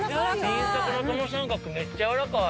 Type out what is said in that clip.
新作の友三角、めっちゃ柔らかい。